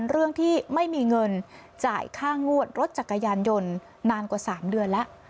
เรื่องที่ไม่มีเงินจ่ายค่างวดรถจักรยานยนต์นานกว่า๓เดือนแล้ว